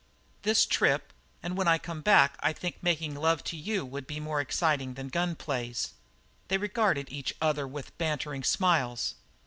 "This trip, and when I come back I think making love to you would be more exciting than gun plays." They regarded each other with bantering smiles.